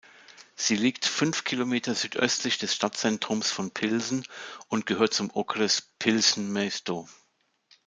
Sie liegt fünf Kilometer südöstlich des Stadtzentrums von Pilsen und gehört zum Okres Plzeň-město.